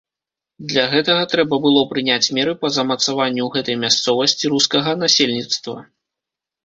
Для гэтага трэба было прыняць меры па замацаванню ў гэтай мясцовасці рускага насельніцтва.